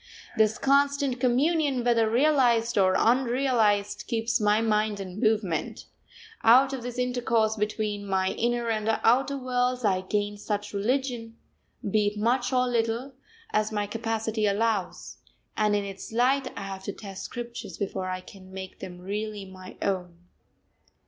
This constant communion, whether realised or unrealised, keeps my mind in movement; out of this intercourse between my inner and outer worlds I gain such religion, be it much or little, as my capacity allows: and in its light I have to test scriptures before I can make them really my own.